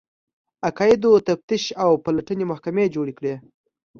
عقایدو تفتیش او پلټنې محکمې جوړې کړې